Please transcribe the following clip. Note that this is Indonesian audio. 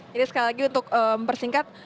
jadi sekali lagi untuk mempersingkat